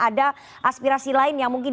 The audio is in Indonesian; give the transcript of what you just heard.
ada aspirasi lain yang mungkin